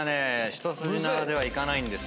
一筋縄ではいかないんですよ。